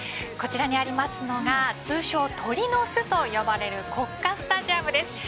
こちらにありますのが通称鳥の巣と呼ばれる国家スタジアムです。